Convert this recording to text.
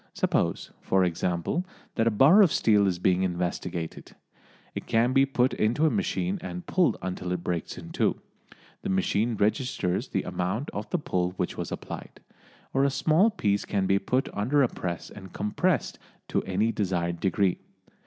Suppose, for example, that a bar of steel is being investigated; it can be put into a machine and pulled until it breaks in two. The machine registers the amount of the pull which was applied. Or a small piece can be put under a press and compressed to any desired degree.